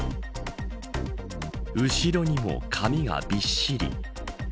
後ろにも紙がびっしり。